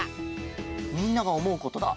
みんながおもうことだ。